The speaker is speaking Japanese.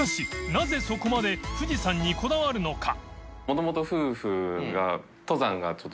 なぜそこまで富士山にこだわるのかＪＰ）